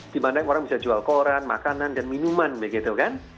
dimana orang bisa jual koran makanan dan minuman begitu kan